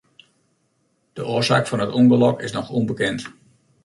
De oarsaak fan it ûngelok is noch ûnbekend.